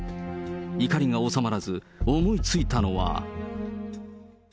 怒りが収まらず、思いついたのは。